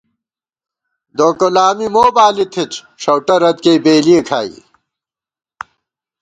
دوکلامی مو بالی تھِت ، ݭؤٹہ رت کېئ بېلِئے کھائی